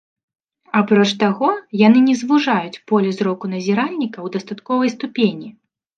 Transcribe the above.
А апроч таго, яны не звужаюць поле зроку назіральніка ў дастатковай ступені.